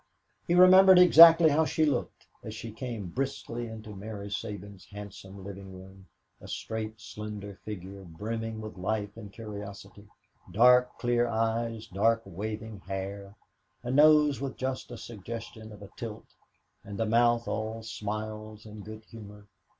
He remembered exactly how she looked as she came briskly into Mary Sabins' handsome living room a straight, slender figure, brimming with life and curiosity dark, clear eyes, dark waving hair, a nose with just a suggestion of a tilt, and a mouth all smiles and good humor.